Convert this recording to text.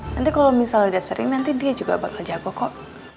nanti kalau misalnya dia sering nanti dia juga bakal jago kok